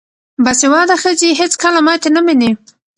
باسواده ښځې هیڅکله ماتې نه مني.